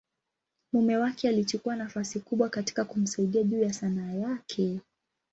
mume wake alichukua nafasi kubwa katika kumsaidia juu ya Sanaa yake.